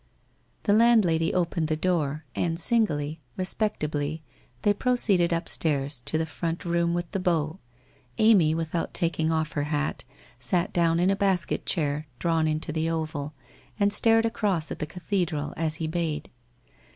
The landlady opened the door and singly, respectably, they proceeded upstairs to the front room with the bow. Amy, without taking off her hat, sat down in a basket chair drawn into the oval, and stared across at the ca thedral as he bade.